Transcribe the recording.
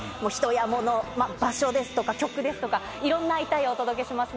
人や場所ですとか、曲ですとか、いろんな「会いたい！」をお届けします。